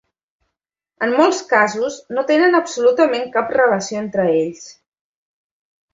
En molts casos, no tenen absolutament cap relació entre ells.